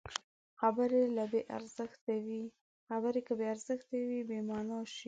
خبرې که بې ارزښته وي، بېمانا شي.